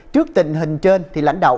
trước tình hình trên thì lãnh đạo